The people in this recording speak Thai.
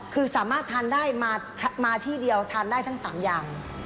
คือสามารถทานได้มาที่เดียวทานได้ทั้ง๓อย่าง